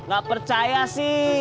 gak percaya sih